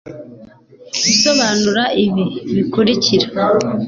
gusobanura ibi bikurikira